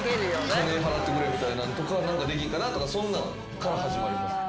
金払ってくれみたいなんとかできひんかなとかそんなんから始まります。